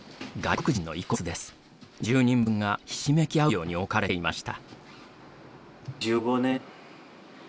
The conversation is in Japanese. １０人分がひしめき合うように置かれていました。